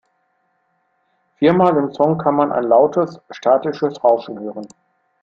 Vier Mal im Song kann man ein lautes, statisches Rauschen hören.